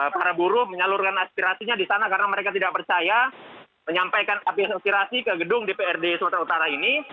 para buruh menyalurkan aspirasinya di sana karena mereka tidak percaya menyampaikan aspirasi ke gedung dprd sumatera utara ini